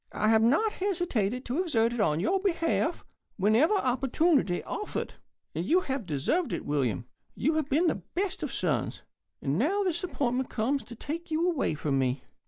I have not hesitated to exert it in your behalf whenever opportunity offered. And you have deserved it, William. You've been the best of sons. And now this appointment comes to take you away from me.